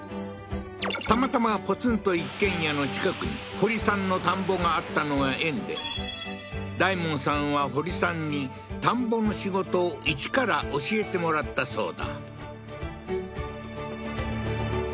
たまたまポツンと一軒家の近くに堀さんの田んぼがあったのが縁で大門さんは堀さんに田んぼの仕事を一から教えてもらったそうだ